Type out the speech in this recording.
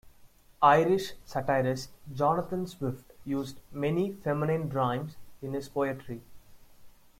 Irish satirist Jonathan Swift used many feminine rhymes in his poetry.